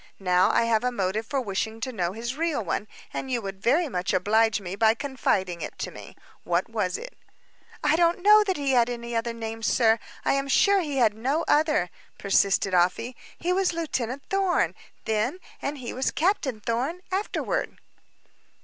Now, I have a motive for wishing to know his real one, and you would very much oblige me by confiding it to me. What was it?" "I don't know that he had any other name, sir; I am sure he had no other," persisted Afy. "He was Lieutenant Thorn, then and he was Captain Thorn, afterward."